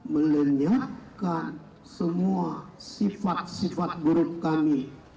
melenyapkan semua sifat sifat buruk kami